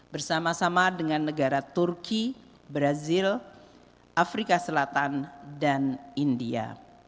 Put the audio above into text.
bersama sama dengan negara turki brazil afrika selatan dan india